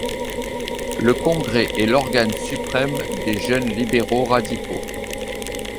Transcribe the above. Le Congrès est l'organe suprême des Jeunes libéraux-radicaux.